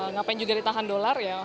ngapain juga ditahan dolar ya